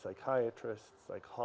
saya tidak tahu bagaimana